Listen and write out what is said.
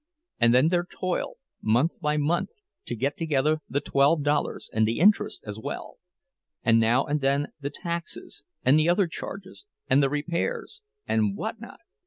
And then their toil, month by month, to get together the twelve dollars, and the interest as well, and now and then the taxes, and the other charges, and the repairs, and what not!